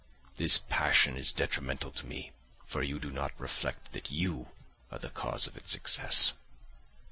This passion is detrimental to me, for you do not reflect that you are the cause of its excess.